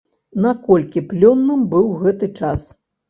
Наколькі плённым быў гэты час?